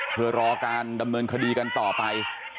เพื่อรอการดำเนินคดีกันต่อไป